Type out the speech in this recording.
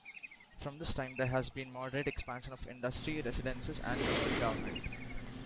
From this time there has been moderate expansion of industry, residences, and local government.